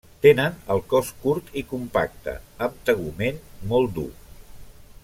Tenen el cos curt i compacte, amb tegument molt dur.